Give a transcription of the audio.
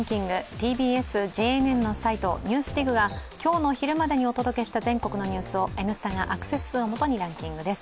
ＴＢＳ・ＪＮＮのサイト「ＮＥＷＳＤＩＧ」が今日の昼までにお届けしたニュースを「Ｎスタ」がアクセス数をもとにランキングです。